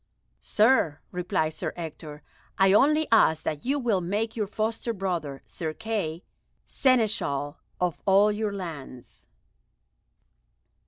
"Sir," replied Sir Ector, "I only ask that you will make your foster brother, Sir Kay, Seneschal of all your lands."